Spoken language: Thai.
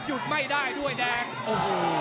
โหโหโหโห